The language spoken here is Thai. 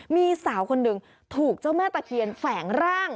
มีสาวคนหนึ่งถูกเจ้าแม่ตะเคียนแฝงร่าง